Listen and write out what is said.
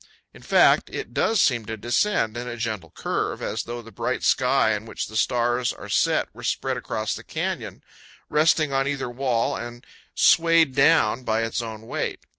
In fact, it does seem to descend in a gentle curve, as though the bright sky in which the stars are set were spread across the canyon, resting on either wall, and swayed down by its own weight.